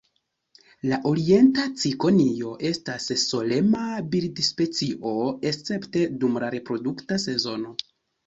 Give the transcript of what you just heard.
La Orienta cikonio estas solema birdospecio escepte dum la reprodukta sezono.